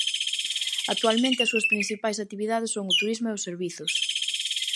Actualmente as súas principais actividades son o turismo e os servizos.